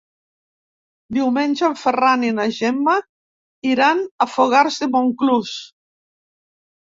Diumenge en Ferran i na Gemma iran a Fogars de Montclús.